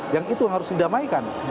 yang itu harus didamaikan